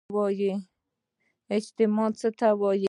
اجماع څه ته وایي؟